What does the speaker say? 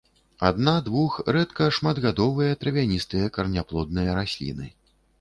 Адна-, двух-, рэдка шматгадовыя травяністыя караняплодныя расліны.